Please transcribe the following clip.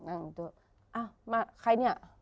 ขอรับคุณที่มาก่อน